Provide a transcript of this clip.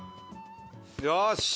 よし！